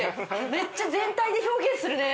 めっちゃ全体で表現するね。